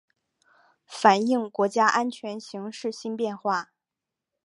反映国家安全形势新变化